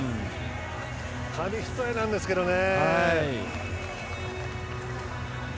紙一重なんですけどね。